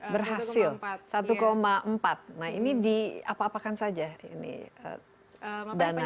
berhasil satu empat nah ini diapa apakan saja ini dananya